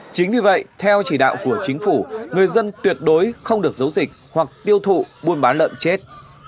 chính vì vậy theo chỉ đạo của chính phủ người dân tuyệt đối không được giấu dịch hoặc tiêu thụ buôn bán lợn chết